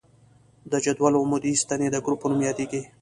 د جدول عمودي ستنې د ګروپ په نوم یادیږي.